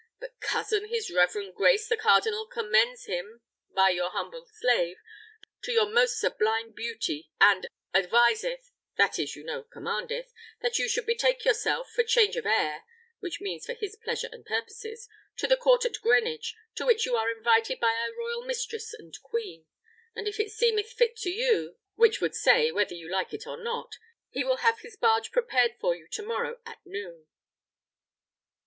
But cousin, his reverend grace the cardinal commends him, by your humble slave, to your most sublime beauty, and adviseth (that is, you know, commandeth) that you should betake yourself, for change of air (which means for his pleasure and purposes), to the court at Greenwich, to which you are invited by our royal mistress and queen. And if it seemeth fit to you (which would say, whether you like it or not) he will have his barge prepared for you to morrow at noon."